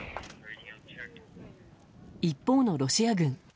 一方のロシア軍。